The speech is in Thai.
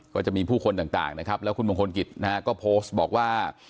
ก็จะมีผู้คนต่างนะครับแล้วคุณมงคลกิจนะฮะก็โพสต์บอกว่า